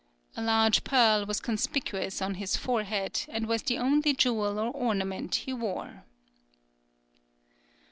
A large pearl was conspicuous on his forehead, and was the only jewel or ornament he wore."